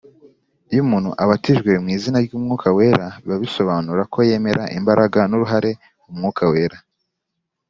. Iyo umuntu abatijwe “mu izina” ry’umwuka wera biba bisobanura ko yemera imbaraga n’uruhare umwuka wera